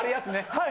はい。